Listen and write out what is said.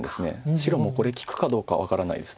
白もこれ利くかどうか分からないです。